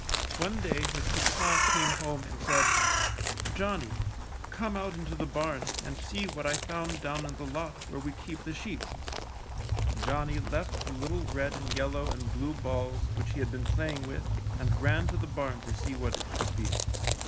One day his papa came home and said: ^ ^Johnny, come out into the barn and see what I found down in the lot where we keep the sheep.'' Johnny left the little red and yellow and blue balls which he had been playing with and ran to the barn to see what it could be.